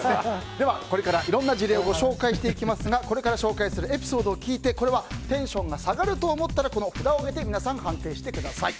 これから、いろんな事例をご紹介していきますがこれから紹介するエピソードを聞いてこれはテンションが下がると思ったら札を上げて皆さん、判定してください。